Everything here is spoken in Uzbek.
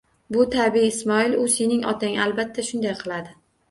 Bu — tabiiy, Ismoil, u — sening otang. Albatta shunday qiladi.